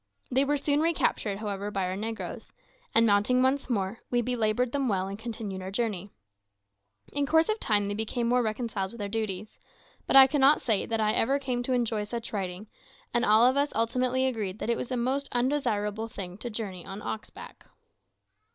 They were soon recaptured, however, by our negroes; and mounting once more, we belaboured them well and continued our journey. In course of time they became more reconciled to their duties; but I cannot say that I ever came to enjoy such riding, and all of us ultimately agreed that it was a most undesirable thing to journey on ox back.